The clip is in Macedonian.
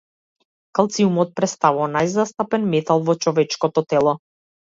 Калциумот претставува најзастапен метал во човечкото тело.